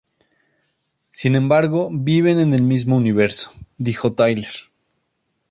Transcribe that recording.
Sin embargo, viven en el mismo universo," dijo Tyler.